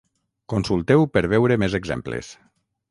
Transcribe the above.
Consulteu per veure més exemples.